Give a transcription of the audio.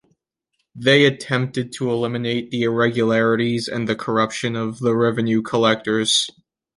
They attempted to eliminate the irregularities and the corruption of the revenue collectors.